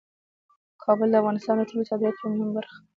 کابل د افغانستان د ټولو صادراتو یوه مهمه برخه ده.